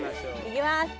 いきます。